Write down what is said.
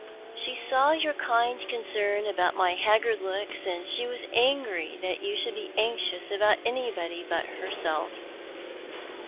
"She saw your kind concern abont my bac; gard looks, and she was angry that yon shoiild be anxious about anyone but lierself.